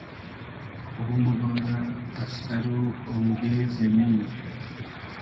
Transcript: خو موبارۂ از سئر و اۉنگې زیمی